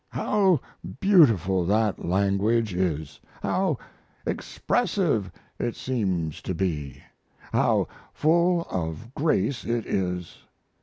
How beautiful that language is! How expressive it seems to be! How full of grace it is!